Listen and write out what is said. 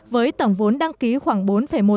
với tổng vốn đăng ký khoảng bốn triệu